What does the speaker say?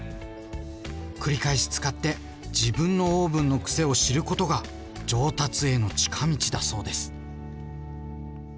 繰り返し使って自分のオーブンの癖を知ることが上達への近道だそうです。